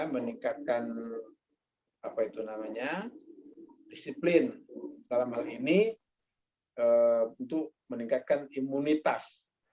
meningkatkan disiplin dalam hal ini untuk meningkatkan imunitas